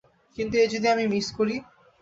কিন্তু, যদি আমি মিস করি?